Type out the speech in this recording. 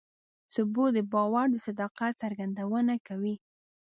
ثبوت د باور د صداقت څرګندونه کوي.